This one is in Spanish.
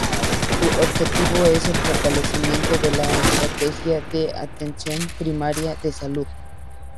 Su objetivo es el fortalecimiento de la estrategia de Atención Primaria de Salud.